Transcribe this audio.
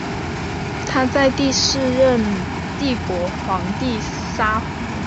他在第四任帝国皇帝沙胡。